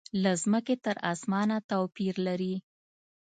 له مځکې تر اسمانه توپیر لري.